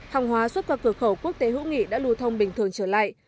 hàng hóa xuất qua cửa khẩu quốc tế hữu nghị đã lưu thông bình thường trở lại